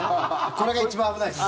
これが一番危ないです。